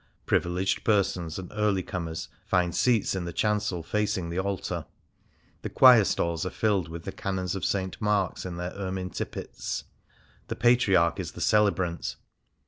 Privileged persons and early comers find seats in the chancel facing the altar. The choir stalls are filled with the Canons of St. Mark's in their ermine tippets. The Patriarch is the celebrant.